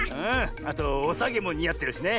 あとおさげもにあってるしね。